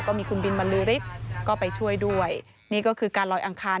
มีคุณบินบรรลือฤทธิ์ก็ไปช่วยด้วยนี่ก็คือการลอยอังคาร